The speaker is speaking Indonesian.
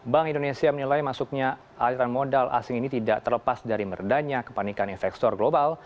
bank indonesia menilai masuknya aliran modal asing ini tidak terlepas dari meredanya kepanikan investor global